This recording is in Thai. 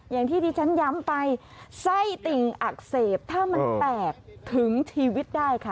อย่างที่ที่ฉันย้ำไปไส้ติ่งอักเสบถ้ามันแตกถึงชีวิตได้ค่ะ